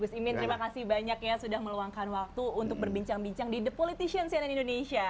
gus imin terima kasih banyak ya sudah meluangkan waktu untuk berbincang bincang di the politician cnn indonesia